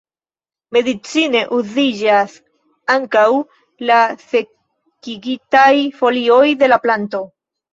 Medicine uziĝas ankaŭ la sekigitaj folioj de la planto.